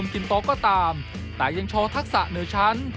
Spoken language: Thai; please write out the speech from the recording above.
กินโต๊ะก็ตามแต่ยังโชว์ทักษะเหนือชั้น